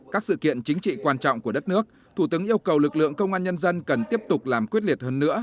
các sự kiện chính trị quan trọng của đất nước thủ tướng yêu cầu lực lượng công an nhân dân cần tiếp tục làm quyết liệt hơn nữa